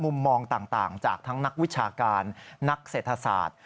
มุมมองต่างจากทั้งนักวิชาการนักเศรษฐศาสตร์